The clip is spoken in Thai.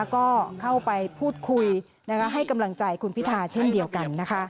ก็เข้าไปพูดคุยให้กำลังใจคุณพิธาเช่นเดียวกัน